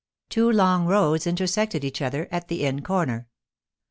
Two long roads intersected each other at the inn corner.